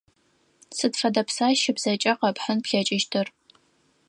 Сыд фэдэ пса щыбзэкӀэ къэпхьын плъэкӀыщтыр?